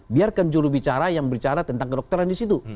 biarkan juru bicara yang bicara tentang kedokteran di situ